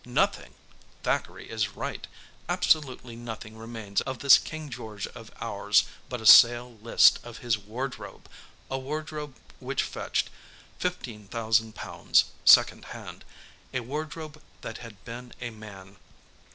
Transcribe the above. Nothing! Thackeray is right; absolutely nothing remains of this King George of ours but a sale list of his wardrobe, a wardrobe which fetched £15,000 second hand a wardrobe that had been a man.